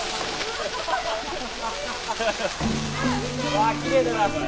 わあきれいだなこれ。